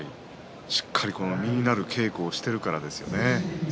しっかり実のある稽古をしているからですね。